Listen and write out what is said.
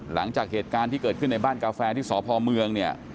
หลังจากเหตุการณ์ที่เกิดขึ้นในบ้านกาแฟที่สพเมืองเนี่ย